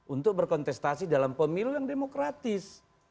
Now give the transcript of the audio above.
untuk berkontestasi dalam pemilihan demokratis